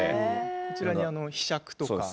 こちらに、ひしゃくとか。